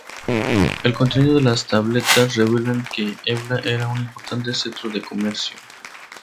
El contenido de las tabletas revelan que Ebla era un importante centro de comercio.